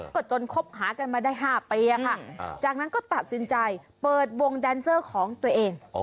ก็จนคบหากันมาได้๕ปีค่ะจากนั้นก็ตัดสินใจเปิดวงแดนเซอร์ของตัวเอง